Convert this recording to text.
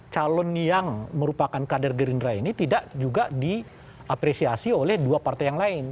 calon yang merupakan kader gerindra ini tidak juga diapresiasi oleh dua partai yang lain